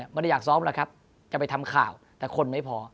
ไม่ได้อยากซ้อมละครับ